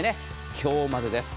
今日までです。